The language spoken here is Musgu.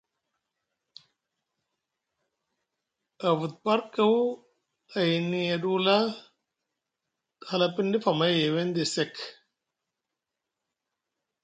Avut par kaw ayni Adula te hala piŋ ɗif amay a Yewende sek.